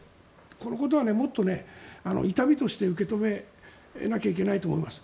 このことはもっと、痛みとして受け止めなきゃいけないと思います。